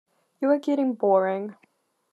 You're getting boring.